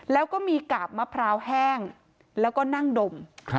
แล้วก็มีกาบมะพร้าวแห้งแล้วก็นั่งดม